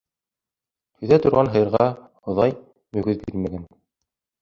Һөҙә торған һыйырға Хоҙай мөгөҙ бирмәгән